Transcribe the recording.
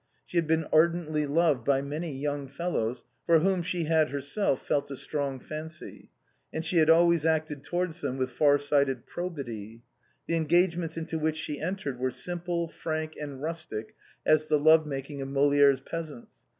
She had been ardently loved by many young fellows for whom she had herself felt a strong fancy, and she had always acted to wards them with far sighted probity ; the engagements into which she entered were simple, frank and rustic as the love making of Molière's peasants.